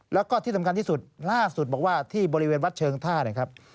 แล้วก็ที่สำคัญที่สุดที่บริเวณวัดเชิงท่าเนี่ยครับ